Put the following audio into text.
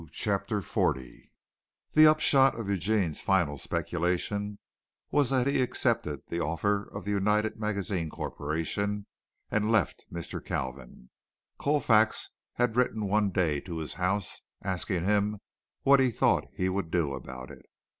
CHAPTER XL The upshot of Eugene's final speculation was that he accepted the offer of the United Magazines Corporation and left Mr. Kalvin. Colfax had written one day to his house asking him what he thought he would do about it.